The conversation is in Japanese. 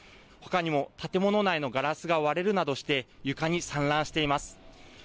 ほかにも建物内のガラスが割れるなどして床に散乱しています。